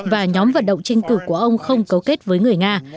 và nhóm vận động tranh cử của ông không cấu kết với người nga